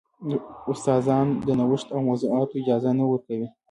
استادان د نوښت او موضوعاتو اجازه نه ورکوي.